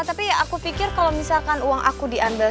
tapi aku pikir kalau misalkan uang aku diambil